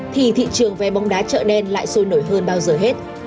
thì thị trường vé bóng đá chợ đen lại sôi nổi hơn bao giờ hết